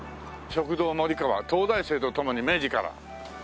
「食堂もり川東大生と共に明治から」